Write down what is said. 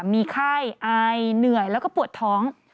มีไข้อายเหนื่อยแล้วก็ปวดท้อง